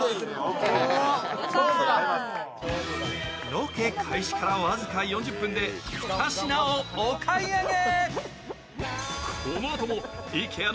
ロケ開始から僅か４０分で、２品をお買い上げ。